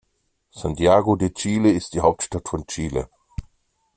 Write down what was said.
Santiago de Chile ist die Hauptstadt von Chile.